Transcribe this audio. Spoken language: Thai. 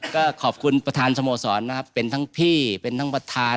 ก็ขอบคุณประธานสโมสรนะครับเป็นทั้งพี่เป็นทั้งประธาน